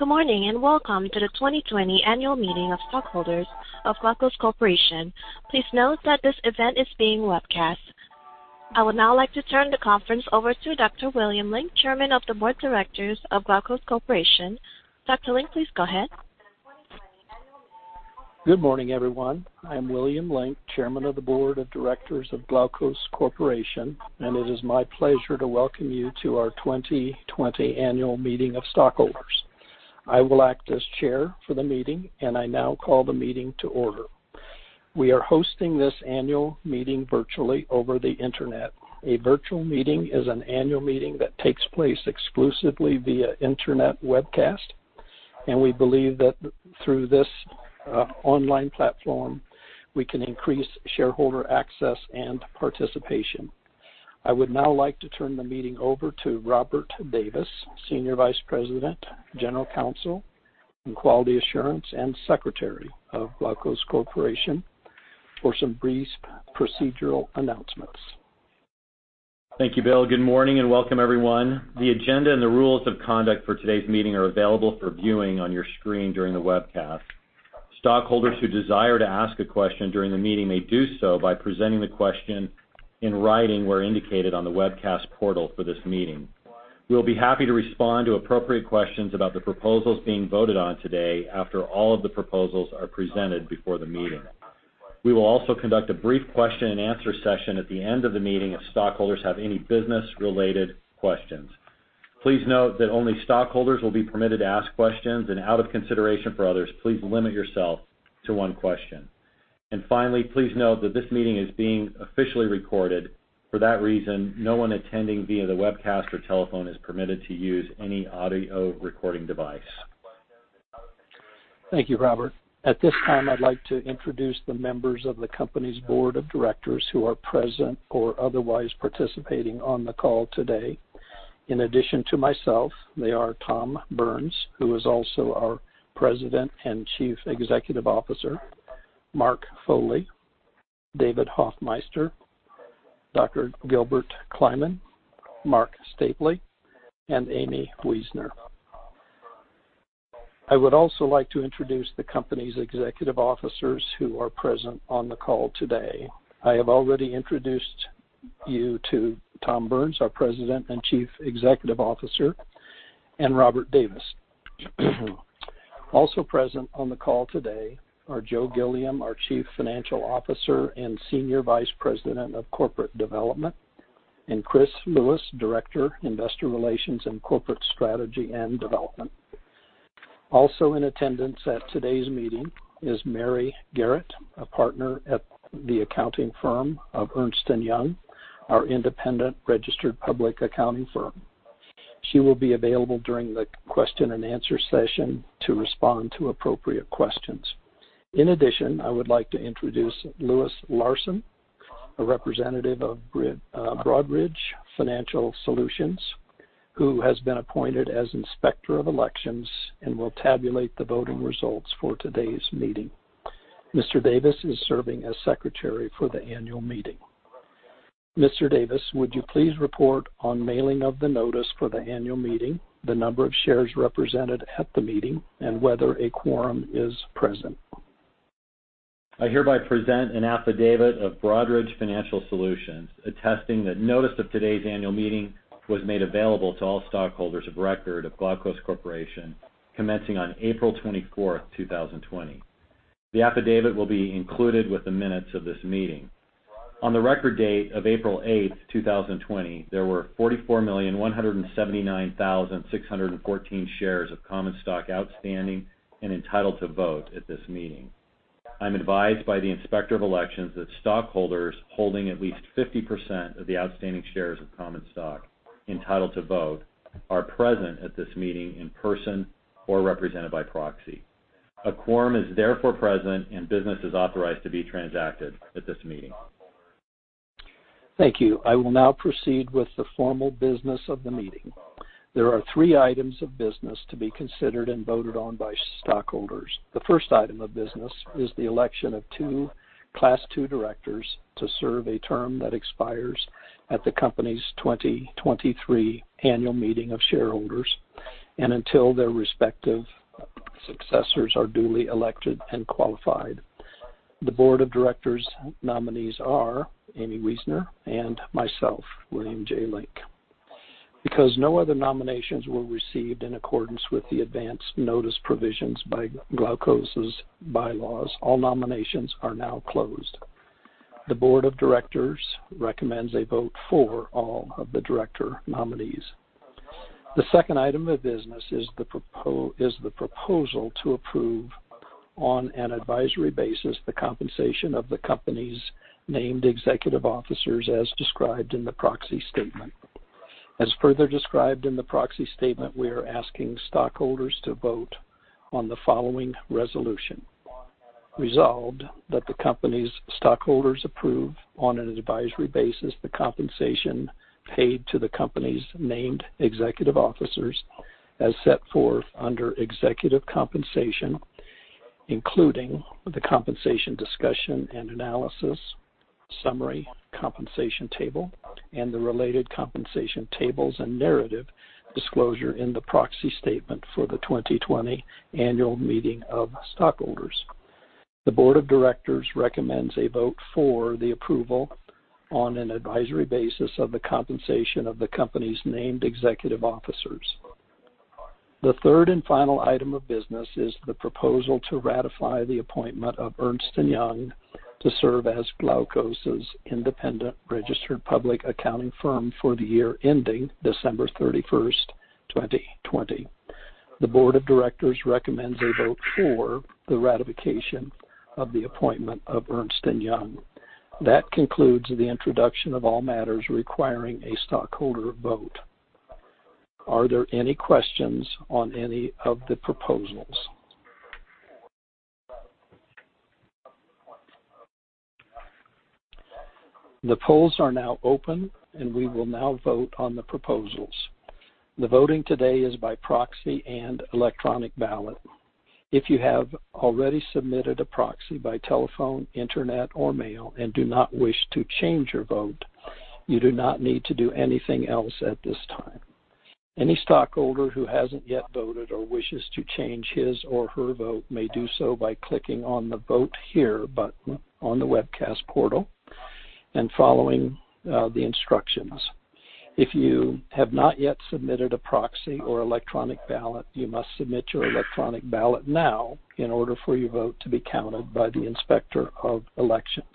Good morning, and welcome to the 2020 annual meeting of stockholders of Glaukos Corporation. Please note that this event is being webcast. I would now like to turn the conference over to Dr. William Link, Chairman of the Board of Directors of Glaukos Corporation. Dr. Link, please go ahead. Good morning, everyone. I'm William Link, Chairman of the Board of Directors of Glaukos Corporation, and it is my pleasure to welcome you to our 2020 annual meeting of stockholders. I will act as chair for the meeting. I now call the meeting to order. We are hosting this annual meeting virtually over the internet. A virtual meeting is an annual meeting that takes place exclusively via internet webcast. We believe that through this online platform, we can increase shareholder access and participation. I would now like to turn the meeting over to Robert Davis, Senior Vice President, General Counsel, Quality Assurance, and Secretary of Glaukos Corporation for some brief procedural announcements. Thank you, Bill. Good morning and welcome everyone. The agenda and the rules of conduct for today's meeting are available for viewing on your screen during the webcast. Stockholders who desire to ask a question during the meeting may do so by presenting the question in writing where indicated on the webcast portal for this meeting. We'll be happy to respond to appropriate questions about the proposals being voted on today after all of the proposals are presented before the meeting. We will also conduct a brief question and answer session at the end of the meeting if stockholders have any business-related questions. Please note that only stockholders will be permitted to ask questions and out of consideration for others, please limit yourself to one question. Finally, please note that this meeting is being officially recorded. For that reason, no one attending via the webcast or telephone is permitted to use any audio recording device. Thank you, Robert. At this time, I'd like to introduce the members of the company's Board of Directors who are present or otherwise participating on the call today. In addition to myself, they are Tom Burns, who is also our President and Chief Executive Officer, Mark Foley, David Hoffmeister, Dr. Gilbert Kliman, Marc Stapley, and Aimee Weisner. I would also like to introduce the company's executive officers who are present on the call today. I have already introduced you to Tom Burns, our President and Chief Executive Officer, and Robert Davis. Also present on the call today are Joe Gilliam, our Chief Financial Officer and Senior Vice President, Corporate Development, and Chris Lewis, Director, Investor Relations, Corporate Strategy & Development. Also in attendance at today's meeting is Mary Garrett, a Partner at the accounting firm of Ernst & Young, our independent registered public accounting firm. She will be available during the question and answer session to respond to appropriate questions. In addition, I would like to introduce Louis Larson, a representative of Broadridge Financial Solutions, who has been appointed as Inspector of Elections and will tabulate the voting results for today's meeting. Mr. Davis is serving as secretary for the annual meeting. Mr. Davis, would you please report on mailing of the notice for the annual meeting, the number of shares represented at the meeting, and whether a quorum is present? I hereby present an affidavit of Broadridge Financial Solutions, attesting that notice of today's annual meeting was made available to all stockholders of record of Glaukos Corporation commencing on April 24th, 2020. The affidavit will be included with the minutes of this meeting. On the record date of April 8th, 2020, there were 44,179,614 shares of common stock outstanding and entitled to vote at this meeting. I'm advised by the Inspector of Elections that stockholders holding at least 50% of the outstanding shares of common stock entitled to vote are present at this meeting in person or represented by proxy. A quorum is therefore present and business is authorized to be transacted at this meeting. Thank you. I will now proceed with the formal business of the meeting. There are three items of business to be considered and voted on by stockholders. The first item of business is the election of two Class II directors to serve a term that expires at the company's 2023 annual meeting of shareholders and until their respective successors are duly elected and qualified. The board of directors' nominees are Aimee Weisner and myself, William J. Link. Because no other nominations were received in accordance with the advance notice provisions by Glaukos' bylaws, all nominations are now closed. The board of directors recommends a vote for all of the director nominees. The second item of business is the proposal to approve, on an advisory basis, the compensation of the company's named executive officers as described in the proxy statement. As further described in the proxy statement, we are asking stockholders to vote on the following resolution. Resolved that the company's stockholders approve, on an advisory basis, the compensation paid to the company's named executive officers as set forth under executive compensation, including the compensation discussion and analysis, summary compensation table, and the related compensation tables and narrative disclosure in the proxy statement for the 2020 annual meeting of stockholders. The board of directors recommends a vote for the approval on an advisory basis of the compensation of the company's named executive officers. The third and final item of business is the proposal to ratify the appointment of Ernst & Young to serve as Glaukos' independent registered public accounting firm for the year ending December 31st, 2020. The board of directors recommends a vote for the ratification of the appointment of Ernst & Young. That concludes the introduction of all matters requiring a stockholder vote. Are there any questions on any of the proposals? The polls are now open, and we will now vote on the proposals. The voting today is by proxy and electronic ballot. If you have already submitted a proxy by telephone, internet or mail and do not wish to change your vote, you do not need to do anything else at this time. Any stockholder who hasn't yet voted or wishes to change his or her vote may do so by clicking on the Vote Here button on the webcast portal and following the instructions. If you have not yet submitted a proxy or electronic ballot, you must submit your electronic ballot now in order for your vote to be counted by the Inspector of Elections.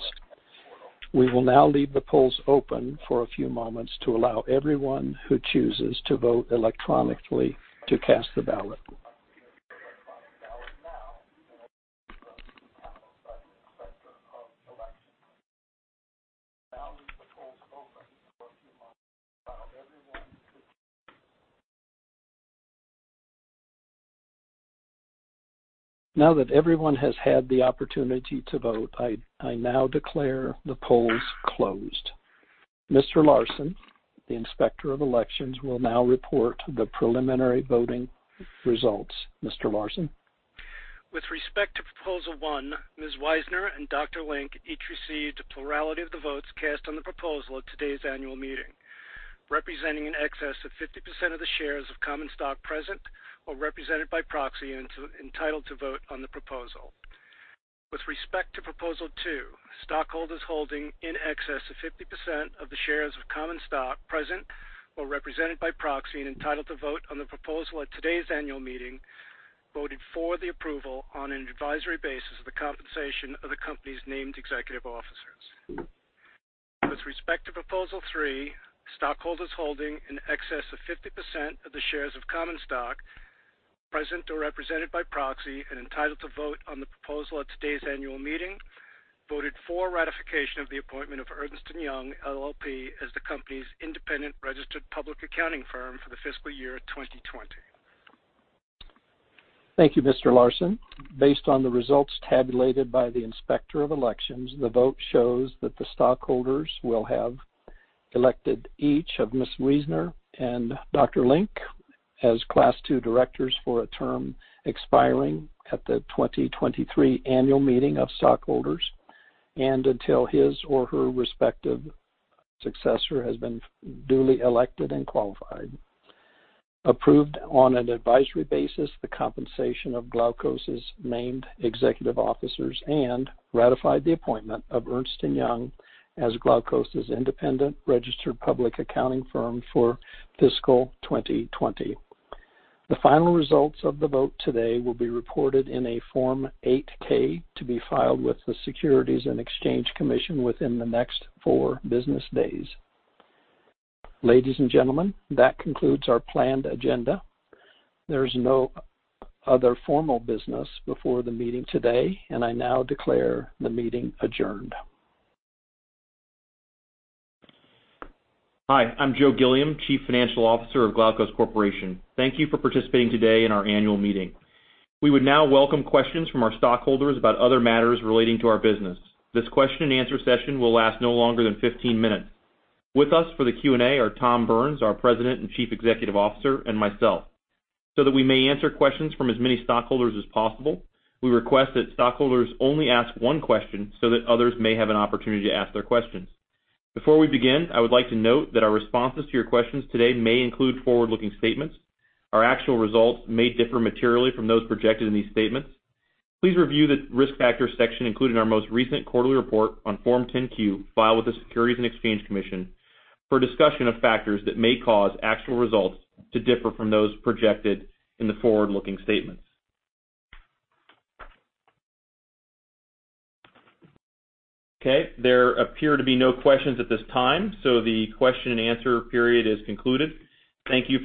We will now leave the polls open for a few moments to allow everyone who chooses to vote electronically to cast a ballot. Now that everyone has had the opportunity to vote, I now declare the polls closed. Mr. Larson, the Inspector of Elections, will now report the preliminary voting results. Mr. Larson. With respect to proposal one, Ms. Weisner and Dr. Link each received a plurality of the votes cast on the proposal at today's annual meeting, representing an excess of 50% of the shares of common stock present or represented by proxy and entitled to vote on the proposal. With respect to proposal two, stockholders holding in excess of 50% of the shares of common stock present or represented by proxy and entitled to vote on the proposal at today's annual meeting voted for the approval on an advisory basis of the compensation of the company's named executive officers. With respect to proposal three, stockholders holding in excess of 50% of the shares of common stock present or represented by proxy and entitled to vote on the proposal at today's annual meeting voted for ratification of the appointment of Ernst & Young LLP as the company's independent registered public accounting firm for the fiscal year 2020. Thank you, Mr. Larson. Based on the results tabulated by the Inspector of Elections, the vote shows that the stockholders will have elected each of Ms. Weisner and Dr. Link as Class II directors for a term expiring at the 2023 annual meeting of stockholders, and until his or her respective successor has been duly elected and qualified. Approved on an advisory basis the compensation of Glaukos' named executive officers, and ratified the appointment of Ernst & Young as Glaukos' independent registered public accounting firm for fiscal 2020. The final results of the vote today will be reported in a Form 8-K to be filed with the Securities and Exchange Commission within the next four business days. Ladies and gentlemen, that concludes our planned agenda. There's no other formal business before the meeting today, and I now declare the meeting adjourned. Hi, I'm Joe Gilliam, Chief Financial Officer of Glaukos Corporation. Thank you for participating today in our annual meeting. We would now welcome questions from our stockholders about other matters relating to our business. This question and answer session will last no longer than 15 minutes. With us for the Q&A are Tom Burns, our President and Chief Executive Officer, and myself. That we may answer questions from as many stockholders as possible, we request that stockholders only ask one question so that others may have an opportunity to ask their questions. Before we begin, I would like to note that our responses to your questions today may include forward-looking statements. Our actual results may differ materially from those projected in these statements. Please review the risk factors section included in our most recent quarterly report on Form 10-Q filed with the Securities and Exchange Commission for a discussion of factors that may cause actual results to differ from those projected in the forward-looking statements. Okay. There appear to be no questions at this time. The question and answer period is concluded. Thank you.